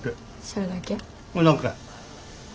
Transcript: それだけ。